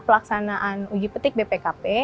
pelaksanaan uji petik bpkp